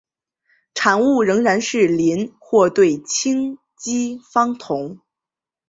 产物仍然是邻或对羟基芳酮。